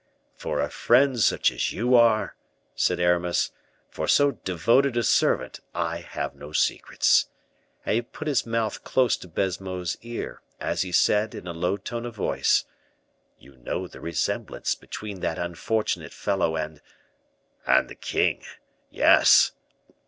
"For a friend such as you are," said Aramis "for so devoted a servant, I have no secrets;" and he put his mouth close to Baisemeaux's ear, as he said, in a low tone of voice, "you know the resemblance between that unfortunate fellow, and " "And the king? yes!"